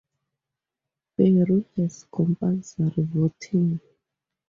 Peru has compulsory voting.